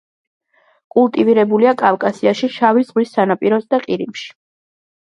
კულტივირებულია კავკასიაში შავი ზღვის სანაპიროზე და ყირიმში.